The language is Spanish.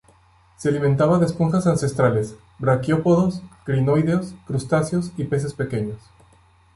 Se alimentaba de esponjas ancestrales, braquiópodos, crinoideos, crustáceos y peces pequeños.